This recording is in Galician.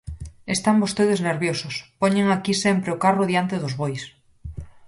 Están vostedes nerviosos, poñen aquí sempre o carro diante dos bois.